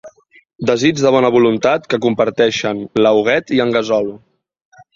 Desig de bona voluntat que comparteixen la Huguet i en Gasol.